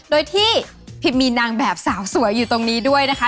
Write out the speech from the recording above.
โดยที่พิมมีนางแบบสาวสวยอยู่ตรงนี้ด้วยนะคะ